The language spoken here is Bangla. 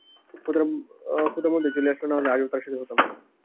খোদা মধ্যে চলে আসলো নাহলে আজও তার সাথে হতাম।